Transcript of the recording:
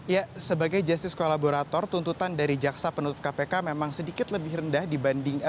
ya sebagai justice kolaborator tuntutan dari jaksa penuntut kpk memang sedikit lebih rendah dibanding